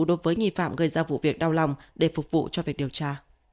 đối với nghi phạm gây ra vụ việc đau lòng để phục vụ cho việc điều tra